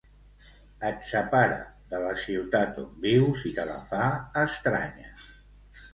Et separa de la ciutat on vius i te la fa estranya.